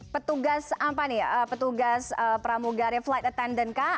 petugas apa nih ya petugas pramugari flight attendant kah